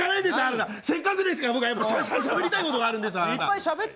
せっかくですから、しゃべりたいことがあるんです！